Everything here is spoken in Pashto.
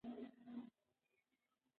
چې جنت مې د ليلا د خيال عيان شي